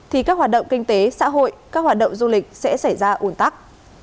thì các hoạt động kinh tế xã hội các hoạt động du lịch sẽ xảy ra ủn tắc